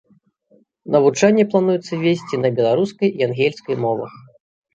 Навучанне плануецца весці на беларускай і ангельскай мовах.